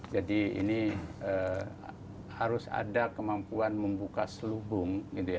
jadi ini harus ada kemampuan membuka selubung